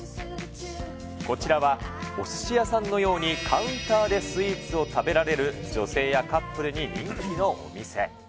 こちらはおすし屋さんのようにカウンターでスイーツを食べられる、女性やカップルに人気のお店。